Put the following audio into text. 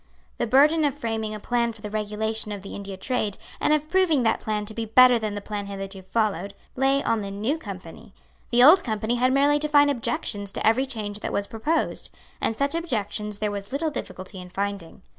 The burden of framing a plan for the regulation of the India trade, and of proving that plan to be better than the plan hitherto followed, lay on the New Company. The Old Company had merely to find objections to every change that was proposed; and such objections there was little difficulty in finding.